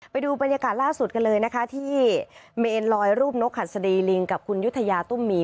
ไปดูบรรยากาศล่าสุดกันเลยนะคะที่เมนลอยรูปนกหัสดีลิงกับคุณยุธยาตุ้มมี